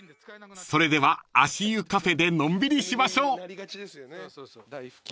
［それでは足湯カフェでのんびりしましょう］